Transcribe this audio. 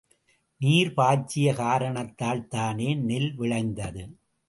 நீர் பாய்ச்சிய காரணத்தால்தானே நெல் விளைந்தது?